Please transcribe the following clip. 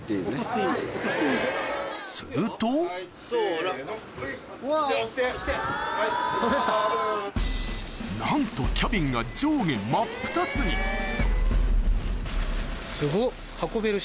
すると・せの・なんとキャビンが上下真っ二つにすごっ。